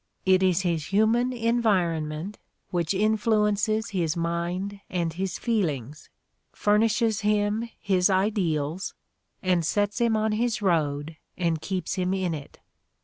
"It is his human environment which influences his mind and his feelings, furnishes him his ideals, and sets him on his road and keeps him in it.